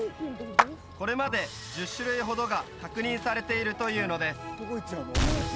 これまで１０種類ほどが確認されているというのです